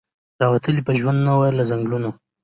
را وتلی په ژوند نه وو له ځنګلونو